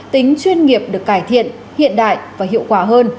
tính chuyên nghiệp được cải thiện hiện đại và hiệu quả hơn